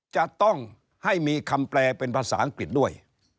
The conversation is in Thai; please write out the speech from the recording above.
จะต้องให้มีคำแปลเป็นภาษาอังกฤษด้วย